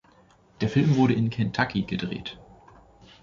Der Film wurde in Kentucky gedreht.